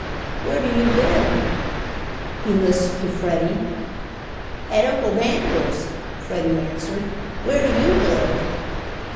"Where do you lib?" he lisped to Freddie. "At Uncle Daniel's," Freddie answered. "Where do you live?"